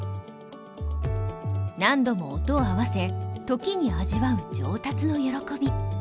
何度も音を合わせ時に味わう上達の喜び。